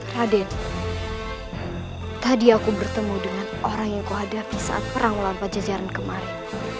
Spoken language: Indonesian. raden tadi aku bertemu dengan orang yang ku hadapi saat perang melampau jajaran kemarin